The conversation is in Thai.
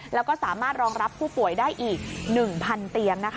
แล้วก็สามารถรองรับผู้ป่วยได้อีก๑๐๐เตียง